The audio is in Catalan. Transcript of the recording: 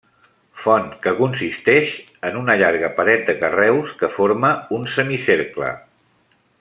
Font que consisteix en una llarga paret de carreus, que forma un semicercle.